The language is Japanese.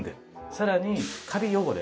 さらにカビ汚れ